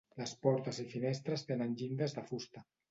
Les portes i finestres tenen llindes de fusta.